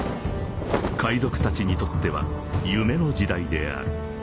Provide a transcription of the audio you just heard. ［海賊たちにとっては夢の時代である］